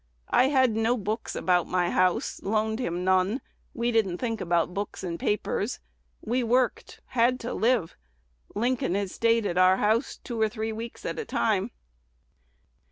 I had no books about my house; loaned him none. We didn't think about books and papers. We worked; had to live. Lincoln has staid at our house two or three weeks at a time."